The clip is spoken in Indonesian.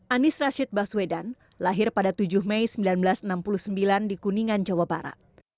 anies rashid baswedan lahir pada tujuh mei seribu sembilan ratus enam puluh sembilan di kuningan jawa barat